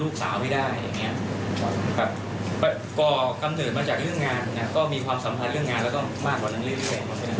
ก่อกำเนิดมาจากเรื่องงานนะก็มีความสำคัญเรื่องงานแล้วก็มากกว่านั้นเลย